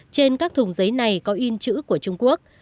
trên các thùng giấy này có in chữ của trung quốc